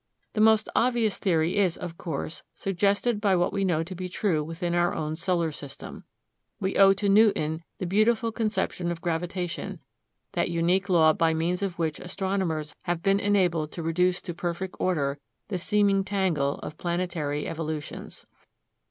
The most obvious theory is, of course, suggested by what we know to be true within our own solar system. We owe to Newton the beautiful conception of gravitation, that unique law by means of which astronomers have been enabled to reduce to perfect order the seeming tangle of planetary evolutions.